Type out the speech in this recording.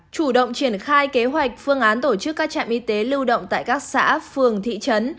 chủ động triển khai kế hoạch phương án tổ chức các trạm y tế lưu động tại các xã phường thị trấn